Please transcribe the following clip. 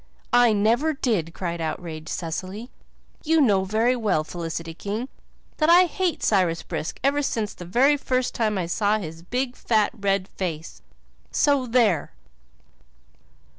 "I never did!" cried outraged Cecily. "You know very well, Felicity King, that I hated Cyrus Brisk ever since the very first time I saw his big, fat, red face. So there!"